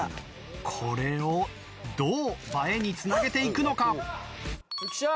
これをどう映えに繋げていくのか？